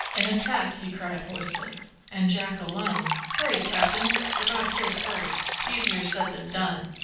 "An attack!" he cried hoarsely; "and Jack alone! Hurry, captain! for God's sake hurry! Easier said than done.